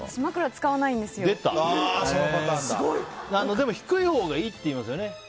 でも低いほうがいいっていいますよね。